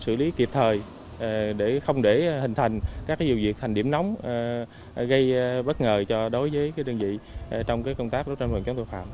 sự lý kịp thời không để hình thành các vụ việc thành điểm nóng gây bất ngờ cho đối với đơn vị trong công tác đối với trang vận chống tội phạm